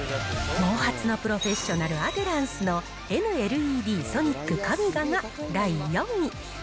毛髪のプロフェッショナル、アデランスのＮーＬＥＤソニックカミガが第４位。